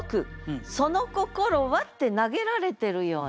その心は？って投げられてるような。